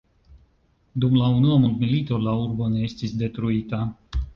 Dum la unua mondmilito la urbo ne estis detruita.